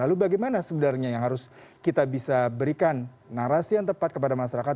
lalu bagaimana sebenarnya yang harus kita bisa berikan narasi yang tepat kepada masyarakat